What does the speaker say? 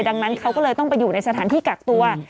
ดังนั้นเขาก็เลยต้องไปอยู่ในสถานที่กักตัว